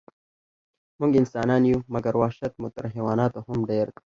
موږ انسانان یو، مګر وحشت مو تر حیواناتو هم ډېر ده.